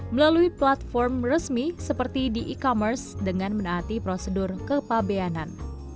melalui platform resmi seperti di e commerce dengan menaati prosedur kepabeanan